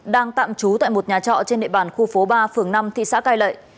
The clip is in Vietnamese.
đang tạm trú tại một nhà trọ trên địa bàn khu phố ba phường năm thị xã cài lợi